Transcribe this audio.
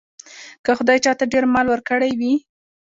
که خدای چاته ډېر مال ورکړی وي.